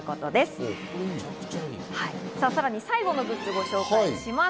さらに最後のグッズをご紹介します。